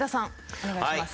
お願いします。